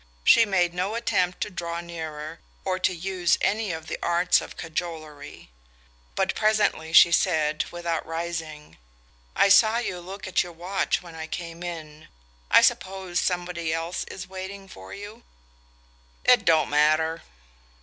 She made no attempt to draw nearer, or to use any of the arts of cajolery; but presently she said, without rising: "I saw you look at your watch when I came in. I suppose somebody else is waiting for you." "It don't matter."